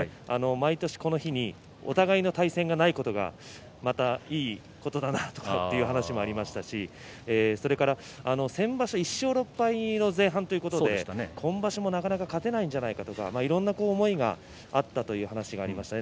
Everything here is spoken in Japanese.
毎年、この日にお互いの対戦がないことがまた、いいことだなという話もありましたしそれから先場所は１勝６敗の前半ということで今場所もなかなか勝てないんじゃないかとか、いろんな思いがあったという話をしていました。